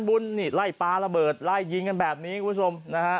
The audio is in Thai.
บุญนี่ไล่ปลาระเบิดไล่ยิงกันแบบนี้คุณผู้ชมนะฮะ